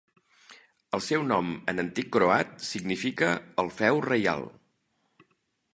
El seu nom en antic croat significa el feu reial.